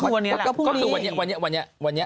วันที่สาม